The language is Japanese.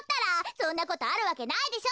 そんなことあるわけないでしょ。